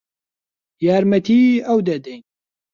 یارمەتیی ئەو دەدەین.